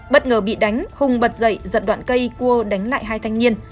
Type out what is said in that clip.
bất ngờ bị đánh hùng bật dậy giật đoạn cây cua đánh lại hai thanh niên